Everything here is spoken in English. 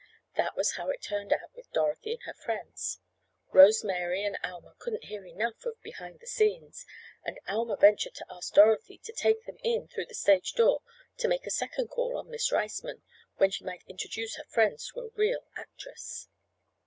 That was how it turned out with Dorothy and her friends. Rose Mary and Alma couldn't hear enough of "behind the scenes" and Alma ventured to ask Dorothy to take them in through the stage door to make a second call on Miss Riceman, when she might introduce her friends to a real actress.